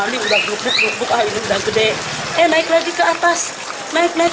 tingginya di jalan ini berapa